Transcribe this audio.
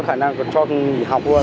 có khả năng cho mình học luôn